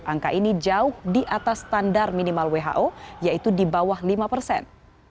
angka ini jauh di atas standar minimal who yaitu di bawah lima persen